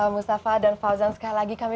mustafa dan fauzan sekali lagi kami